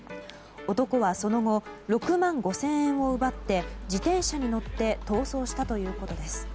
男は、その後６万５０００円を奪って自転車に乗って逃走したということです。